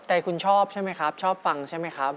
ใจคุณชอบใช่ไหมครับชอบฟังใช่ไหมครับ